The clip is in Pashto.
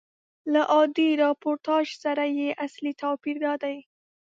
له عادي راپورتاژ سره یې اصلي توپیر دادی.